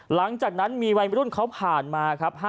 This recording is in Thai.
หลังจากนั้นมีวัยรุ่นเขาผ่านมาครับ